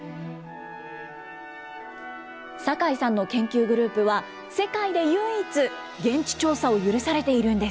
坂井さんの研究グループは、世界で唯一、現地調査を許されているんです。